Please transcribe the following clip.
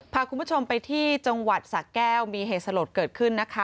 พาคุณผู้ชมไปที่จังหวัดสะแก้วมีเหตุสลดเกิดขึ้นนะคะ